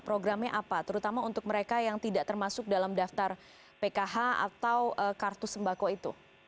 programnya apa terutama untuk mereka yang tidak termasuk dalam daftar pkh atau kartu sembako itu